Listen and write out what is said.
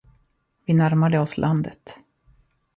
Vi närmade oss landet.